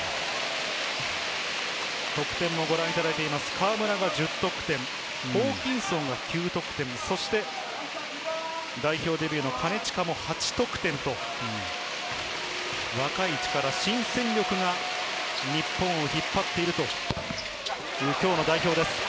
河村が１０得点、ホーキンソンが９得点、代表デビューの金近も８得点と、若い力、新戦力が日本を引っ張っているという今日の代表です。